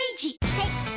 はい。